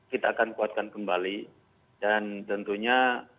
kita akan kuatkan kembali dan tentunya